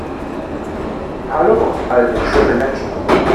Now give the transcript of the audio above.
Hallo, all ihr schönen Menschen.